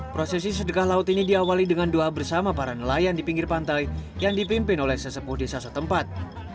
prosesi sedekah laut ini diawali dengan doa bersama para nelayan di pinggir pantai yang dipimpin oleh sesepuh desa setempat